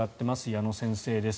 矢野先生です。